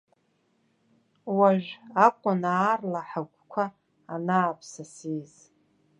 Уажә акәын аарла ҳагәқәа анааԥсасиз!